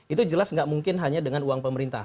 itu jelas nggak mungkin hanya dengan uang pemerintah